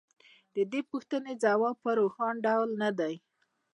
د دې پوښتنې ځواب په روښانه ډول نه دی